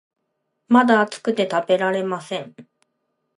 まだ熱くて食べられません